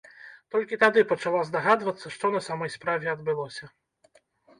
Толькі тады пачала здагадвацца, што на самой справе адбылося.